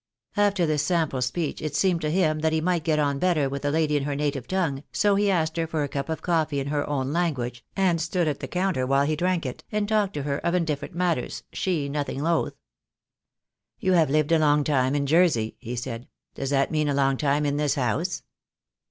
After this sample speech it seemed to him that he might get on better with the lady in her native tongue, so he asked her for a cup of coffee in her own language, and stood at the counter while he drank it, and talked to her of indifferent matters, she nothing loth. I 86 THE DAY WILL COME. "You have lived a long time in Jersey," he said. ""Does that mean a long time in this house?"